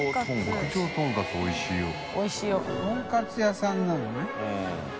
とんかつ屋さんなんだね？